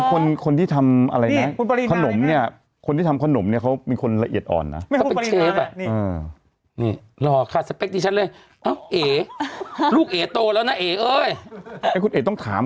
คนนี้แม่หลอกจนเนี้ยโดนใจคุณบริณา